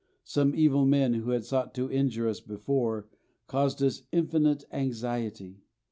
Some evil men who had sought to injure us before, caused us infinite anxiety.